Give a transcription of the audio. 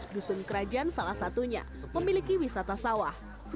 dusun kerajaan salah satunya memiliki wisata sawah